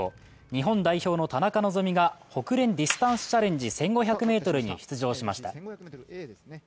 日本代表の田中希実がホクレン・ディスタンスチャレンジ１５００ｍに出場しました。